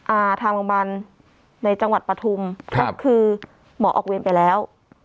อ่าทางโรงพยาบาลในจังหวัดปฐุมครับคือหมอออกเวรไปแล้ว